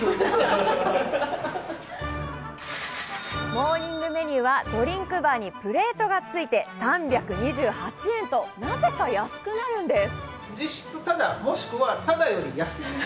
モーニングメニューは、ドリンクバーにプレートがついて、３２８円と、なぜか安くなるんです。